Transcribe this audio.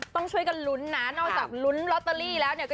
ต้องช่วยกันลุ้นนะนอกจากลุ้นลอตเตอรี่แล้วเนี่ย